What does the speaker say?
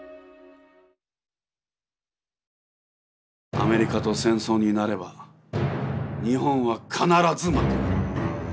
アメリカと戦争になれば日本は必ず負ける。